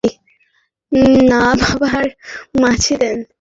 তাহলে হেনরিয়েটা কি আপনার মায়ের মা না বাবার মা ছিলেন?